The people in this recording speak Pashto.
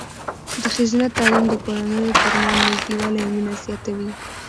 د ښځینه تعلیم د کورنیو ترمنځ نږدېوالی او مینه زیاتوي.